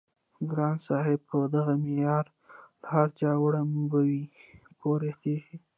ګران صاحب په دغه معيار له هر چا وړومبی پوره خيژي